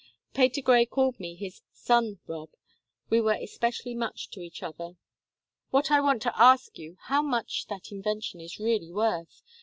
Patergrey called me his 'son Rob'; we were especially much to each other. What I want is to ask you how much that invention is really worth?